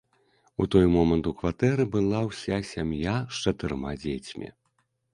У той момант у кватэры была ўся сям'я з чатырма дзецьмі.